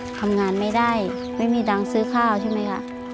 ทำงานไม่ได้ไม่มีตังค์ซื้อข้าวใช่ไหมคะ